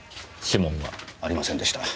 指紋は？ありませんでした。